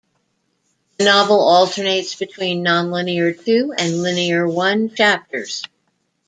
The novel alternates between non-linear "Two" and linear "One" chapters.